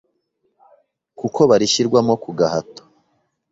kuko barishyirwamo ku gahato